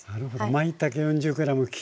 まいたけ４０ｇ